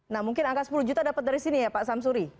nah mungkin angka sepuluh juta dapat dari sini ya pak samsuri